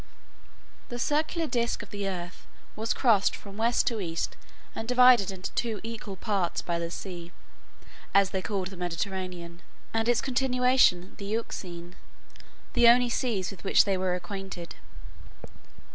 The circular disk of the earth was crossed from west to east and divided into two equal parts by the Sea, as they called the Mediterranean, and its continuation the Euxine, the only seas with which they were acquainted.